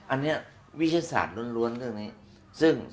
อันเนี้ยวิทยุศาสตร์รวรรด์เรื่องนี้